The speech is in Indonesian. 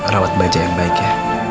rawat baja yang baik ya